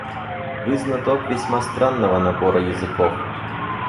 Вы знаток весьма странного набора языков.